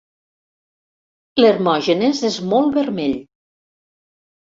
L'Hermògenes és molt vermell.